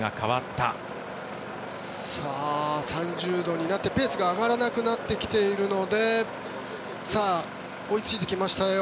３０度になって、ペースが上がらなくなってきているので追いついてきましたよ。